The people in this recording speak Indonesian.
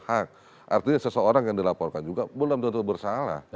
artinya seseorang yang dilaporkan juga belum tentu bersalah